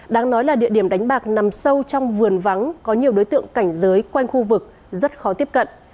đáng nói là địa điểm đánh bạc nằm sâu trong vườn vắng có nhiều đối tượng cảnh giới quanh khu vực rất khó tiếp cận